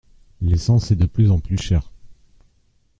L’essence est de plus en plus chère.